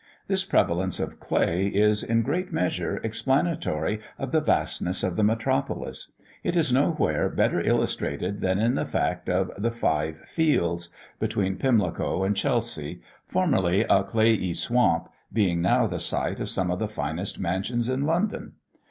This prevalence of clay is, in great measure, explanatory of the vastness of the metropolis. It is nowhere better illustrated than in the fact of "the Five Fields," (between Pimlico and Chelsea,) formerly a clayey swamp, being now the site of some of the finest mansions in London.